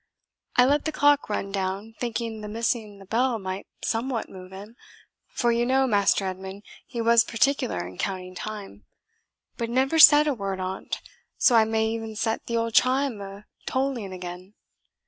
I let the clock run down, thinking the missing the bell might somewhat move him for you know, Master Edmund, he was particular in counting time but he never said a word on't, so I may e'en set the old chime a towling again.